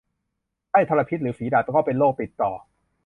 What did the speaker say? ไข้ทรพิษ หรือฝีดาษ ก็เป็นโรคติดต่อ